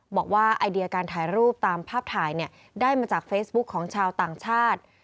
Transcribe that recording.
บอกว่าไอเดียการถ่ายรูปตามภาพถ่ายได้มาจากเฟซบุ๊คของชาวต่างชาติ